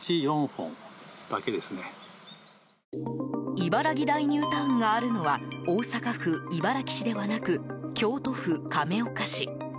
茨木台ニュータウンがあるのは大阪府茨木市ではなく京都府亀岡市。